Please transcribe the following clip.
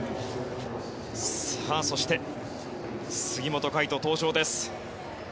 そして杉本海誉斗登場です。